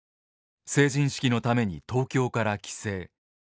成人式のために東京から帰省。